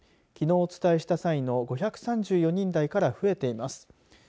きのう、お伝えした際の５３４人台から増えています。